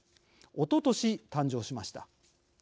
おととし、誕生しました。